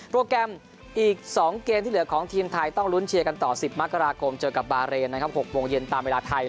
แกรมอีก๒เกมที่เหลือของทีมไทยต้องลุ้นเชียร์กันต่อ๑๐มกราคมเจอกับบาเรนนะครับ๖โมงเย็นตามเวลาไทย